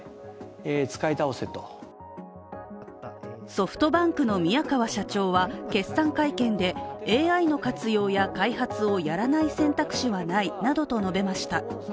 ソフトバンクの宮川社長は決算会見でＡＩの活用や開発をやらない選択肢はないなどと述べました。